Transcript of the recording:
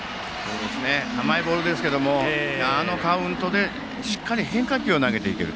甘いボールですけれどもあのカウントでしっかり変化球を投げていける。